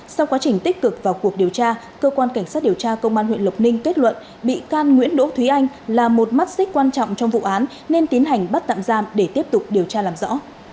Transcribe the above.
sau quá trình tích cực vào cuộc điều tra cơ quan cảnh sát điều tra công an huyện lộc ninh kết luận bị can nguyễn đỗ thúy anh là một mắt xích quan trọng trong vụ án nên tiến hành bắt tạm giam để tiếp tục điều tra làm rõ